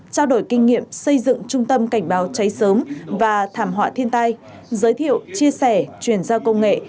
trao đổi kinh nghiệm xây dựng trung tâm cảnh báo cháy sớm và thảm họa thiên tai giới thiệu chia sẻ truyền giao công nghệ